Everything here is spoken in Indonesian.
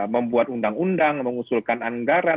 membuat undang undang mengusulkan anggaran